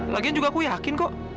lagian juga aku yakin kok